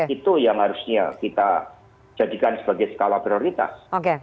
itu yang harusnya kita jadikan sebagai skala prioritas